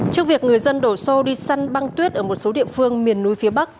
trước việc người dân đổ xô đi săn băng tuyết ở một số địa phương miền núi phía bắc